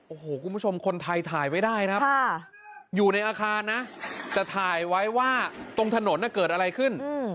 โอ้โหคุณผู้ชมคนไทยถ่ายไว้ได้ครับอยู่ในอาคารนะแต่ถ่ายไว้ว่าตรงถนนเกิดอะไรขึ้น